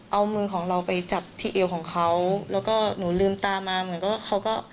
เอามือของเราไปจับที่เอวของเขาแล้วก็หนูลืมตามาเหมือนกับว่าเขาก็